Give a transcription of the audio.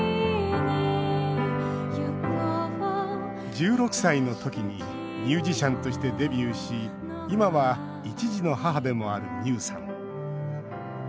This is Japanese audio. １６歳の時にミュージシャンとしてデビューし今は１児の母でもある美雨さん。